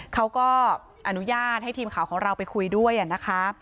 เขาก็อนุญาตให้ทีมข่าวของเราไปคุยด้วยนะคะ